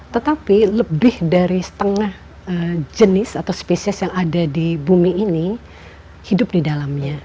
tetapi lebih dari setengah jenis atau spesies yang ada di bumi ini hidup di dalamnya